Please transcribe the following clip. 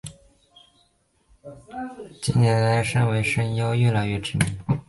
近年身为声优愈来愈知名。